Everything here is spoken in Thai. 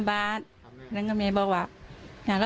เบอร์ลูอยู่แบบนี้มั้งเยอะมาก